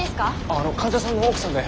あの患者さんの奥さんで。